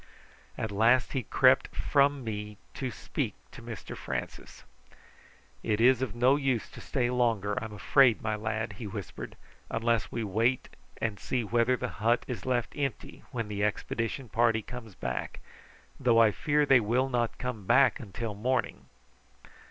At last he crept from me to speak to Mr Francis. "It is of no use to stay longer, I'm afraid, my lad," he whispered; "unless we wait and see whether the hut is left empty when the expedition party comes back, though I fear they will not come back till morning."